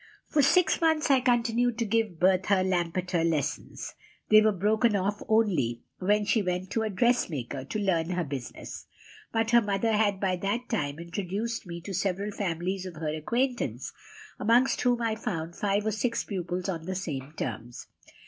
"For six months I continued to give Bertha Lampeter lessons. They were broken off only when she went to a dressmaker to learn her business. But her mother had by that time introduced me to several families of her acquaintance, amongst whom I found five or six pupils on the same terms.